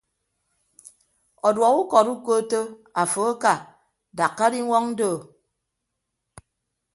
Ọduọk ukọd ukootto afo aka dakka diñwọñ doo.